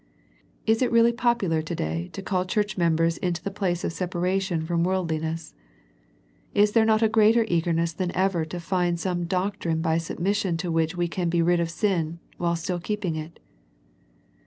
Is it really popular to day to call church members into the place of separation from worldliness? Is there not a greater eagerness than ever to find some doctrine by submission to which we can be rid of sin, while still keeping it